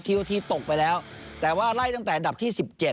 โอทีตกไปแล้วแต่ว่าไล่ตั้งแต่อันดับที่๑๗